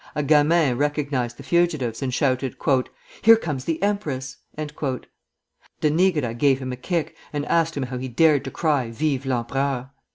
A gamin recognized the fugitives, and shouted, "Here comes the empress!" De Nigra gave him a kick, and asked him how he dared to cry: "Vive l'Empereur?"